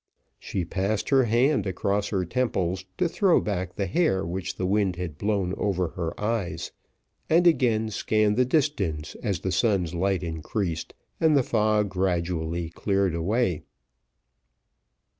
She passed her hand across her temples to throw back the hair which the wind had blown over her eyes, and again scanned the distance as the sun's light increased, and the fog gradually cleared away.